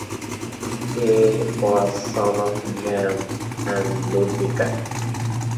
He was son of Jan and Ludwika.